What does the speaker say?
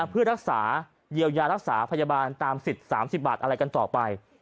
เพื่อรักษาเยียวยารักษาพยาบาลตามสิทธิ์๓๐บาทอะไรกันต่อไป